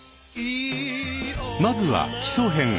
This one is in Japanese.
まずは基礎編！